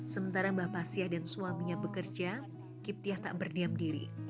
sementara mbak pasya dan suaminya bekerja kiptiah tak berdiam diri